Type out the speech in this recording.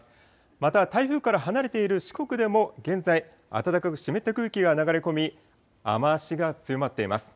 また台風から離れている四国でも現在、暖かく湿った空気が流れ込み、雨足が強まっています。